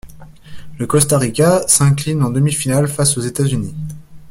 Le Costa Rica s'incline en demi-finale face aux États-Unis.